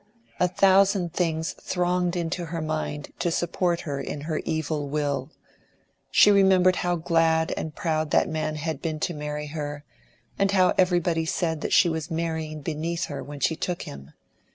A thousand things thronged into her mind to support her in her evil will. She remembered how glad and proud that man had been to marry her, and how everybody said she was marrying beneath her when she took him.